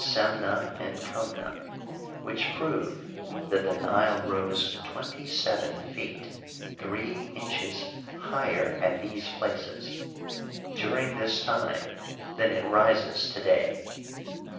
57 Semneh and Kumneh, which prove that the Nile rose twenty seven feet three inches higher at these places, dur ing this time, than it rises to day.